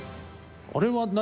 あれは何？